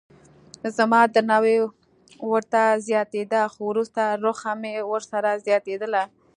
زما درناوی ورته زیاتېده خو وروسته رخه مې ورسره زیاتېدله.